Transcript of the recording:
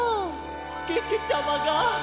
けけちゃまが。